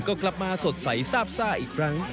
ก็กลับมาสดใสซาบซ่าอีกครั้ง